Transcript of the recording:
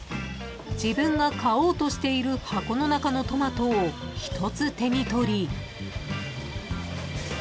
［自分が買おうとしている箱の中のトマトを１つ手に取り］